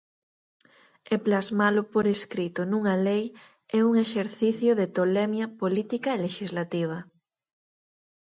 E plasmalo por escrito nunha lei é un exercicio de tolemia política e lexislativa.